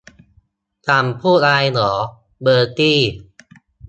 ฉันพูดอะไรหรือ เบอร์ตี้